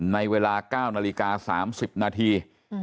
ในเวลา๙นาฬิกา๓๐นาที